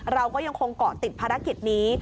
เราก็ยังคงเกาะติดภารกิจนี้